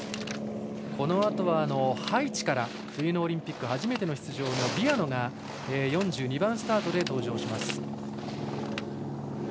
このあとはハイチから冬のオリンピック初めての出場ビアノが４２番スタートで登場します。